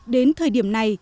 đến thời điểm này